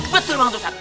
betul bangat ustadz